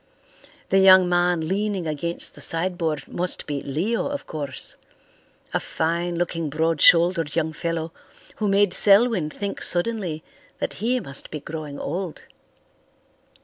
The young man leaning against the sideboard must be Leo, of course; a fine looking, broad shouldered young fellow who made Selwyn think suddenly that he must be growing old.